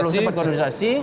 belum sempat konsolidasi